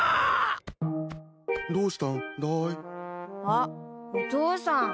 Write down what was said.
あっお父さん。